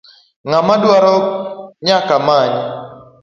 Ng'ama dwaro nyaka many.